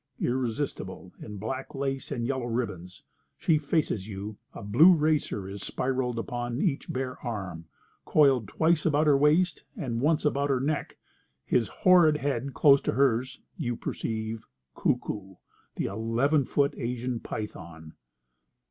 Irresistible, in black lace and yellow ribbons, she faces you; a blue racer is spiralled upon each bare arm; coiled twice about her waist and once about her neck, his horrid head close to hers, you perceive Kuku, the great eleven foot Asian python.